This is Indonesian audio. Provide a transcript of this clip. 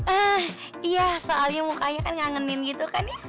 eh iya soalnya mukanya kan ngangenin gitu kan ya